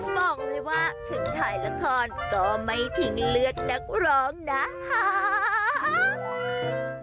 บอกเลยว่าถึงถ่ายละครก็ไม่ทิ้งเลือดนักร้องนะครับ